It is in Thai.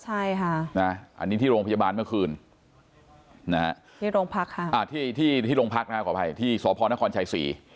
อันนี้ที่โรงพยาบาลเมื่อคืนที่โรงพักครับที่พนชศรี